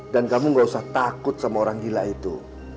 dan kamu gak usah takut sama orang gila itu